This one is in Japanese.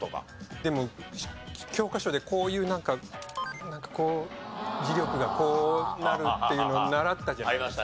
でも教科書でこういうなんかこう磁力がこうなるっていうの習ったじゃないですか。